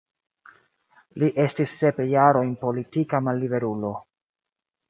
Li estis sep jarojn politika malliberulo.